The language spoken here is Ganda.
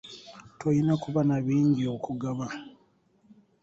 Toyina kuba na bingi okugaba.